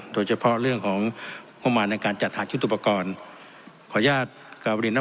โดยเฉพาะเรื่องของงบประมาณในการจัดหาชุดอุปกรณ์ขออนุญาตกลับเรียนนะ